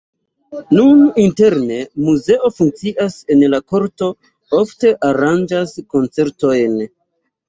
Nun interne muzeo funkcias, en la korto ofte aranĝas koncertojn.